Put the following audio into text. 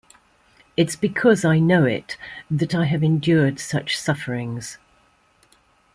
It's because I know it that I have endured such sufferings.